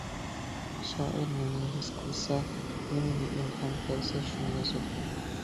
شائىر نېمىنى ھېس قىلسا، نېمىگە ئىلھام كەلسە شۇنى يازىدۇ.